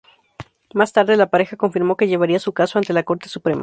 Más tarde, la pareja confirmó que llevaría su caso ante la Corte Suprema.